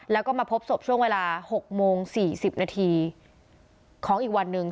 แล้วก็มาพบศพช่วงเวลา๖โมง๔๐นาทีของอีกวันหนึ่ง